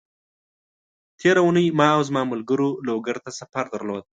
تېره اونۍ ما او زما ملګرو لوګر ته سفر درلود،